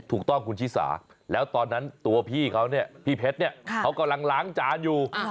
ถูกต้องคุณชิสาแล้วตอนนั้นตัวพี่เขาเนี่ยพี่เพชรเนี่ยเขากำลังล้างจานอยู่